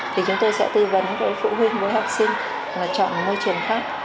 thì chúng tôi sẽ tư vấn với phụ huynh với học sinh là chọn môi trường khác